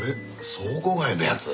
倉庫街のやつ。